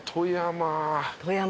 富山。